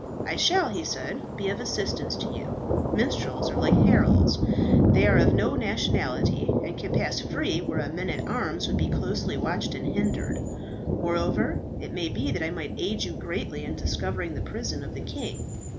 "I shall," he said, "be of assistance to you. Minstrels are like heralds. They are of no nationality, and can pass free where a man at arms would be closely watched and hindered. Moreover, it may be that I might aid you greatly in discovering the prison of the king.